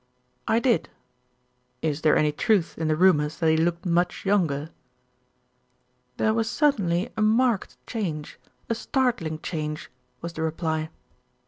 "I did." "Is there any truth in the rumours that he looked much younger?" "There was certainly a marked change, a startling change," was the reply.